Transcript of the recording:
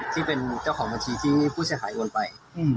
ที่เป็นเจ้าของบัญชีที่ผู้เสียหายโอนไป